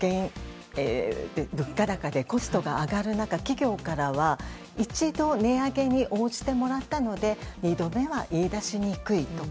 物価高でコストが上がる中企業からは、１度値上げに応じてもらったので２度目は言い出しにくいとか。